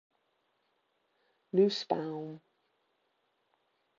Nusbaum.